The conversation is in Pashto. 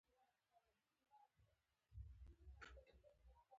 کال دوولس میاشتې لري